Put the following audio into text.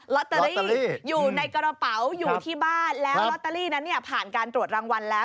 ลอตเตอรี่อยู่ในกระเป๋าอยู่ที่บ้านแล้วลอตเตอรี่นั้นเนี่ยผ่านการตรวจรางวัลแล้ว